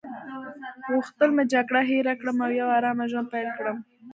غوښتل مې جګړه هیره کړم او یو آرامه ژوند پیل کړم.